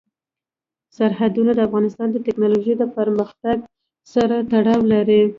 سرحدونه د افغانستان د تکنالوژۍ پرمختګ سره تړاو لري.